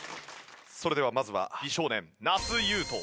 それではまずは美少年那須雄登。